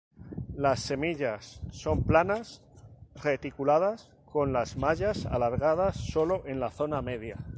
Las semillas son planas, reticuladas, con las mallas alargadas solo en la zona media.